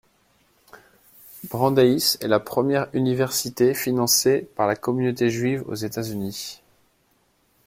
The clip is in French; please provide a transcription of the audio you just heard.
Brandeis est la première université financée par la communauté juive aux États-Unis.